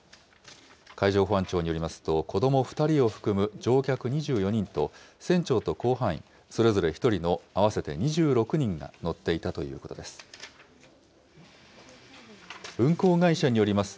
海上保安庁によりますと、子ども２人を含む乗客２４人と、船長と甲板員それぞれ１人の、合わせて２６人が乗っていたということです。